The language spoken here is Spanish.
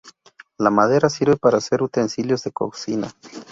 La madera sirve para hacer utensilios de cocina.